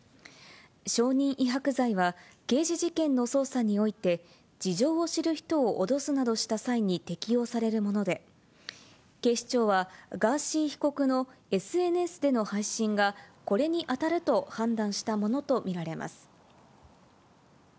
証人威迫罪は、刑事事件の捜査において、事情を知る人を脅すなどした際に適用されるもので、警視庁は、ガーシー被告のＳＮＳでの配信が、これに当たると判断したものと見られます。